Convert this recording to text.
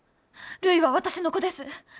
るいは私の子です。